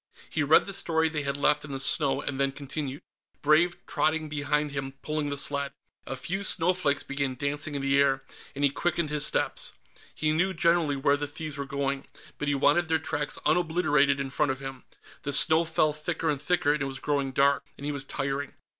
He read the story they had left in the snow, and then continued, Brave trotting behind him pulling the sled. A few snowflakes began dancing in the air, and he quickened his steps. He knew, generally, where the thieves were going, but he wanted their tracks unobliterated in front of him. The snow fell thicker and thicker, and it was growing dark, and he was tiring.